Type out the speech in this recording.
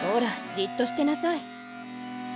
じっとしてなさい。